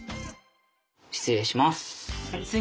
失礼します。